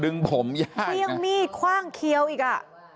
เครื่องมีดคว่างเคี้ยวอีกอ่ะ